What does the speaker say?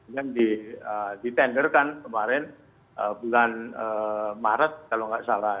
kemudian ditender kan kemarin bulan maret kalau tidak salah